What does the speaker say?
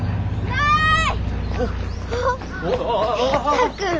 はい。